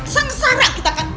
sengsara kita kan